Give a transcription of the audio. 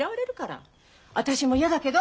私もやだけど。